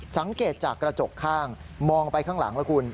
สังเกตจากกระจกข้างมองไปข้างหลังแล้วคุณ